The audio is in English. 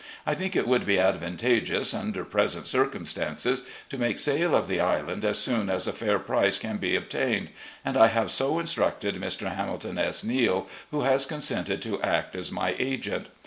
I think it would be advantageous, under present circumstances, to make sale of the island as soon as a fair price can be obtained, and I have so instructed Mr. Hamilton S. Neale, who has consented to act as my agent.